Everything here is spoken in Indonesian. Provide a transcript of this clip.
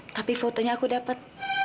tapi fotonya aku dapat